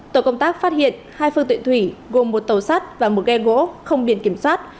tổ công tác phát hiện hai phương tiện thủy gồm một tàu sắt và một ghe gỗ không biển kiểm soát